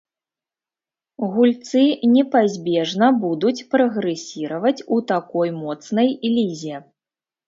Гульцы непазбежна будуць прагрэсіраваць у такой моцнай лізе.